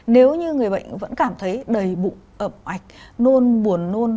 nếu như người bệnh vẫn cảm thấy đầy bụng ẩm ạch nôn buồn nôn